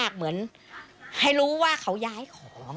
ได้นำเรื่องราวมาแชร์ในโลกโซเชียลจึงเกิดเป็นประเด็นอีกครั้ง